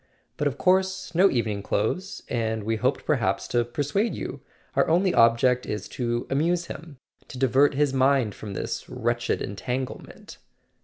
But of course no evening clothes; and we hoped perhaps to persuade you. Our only object is to amuse him—to divert his mind from this wretched entanglement."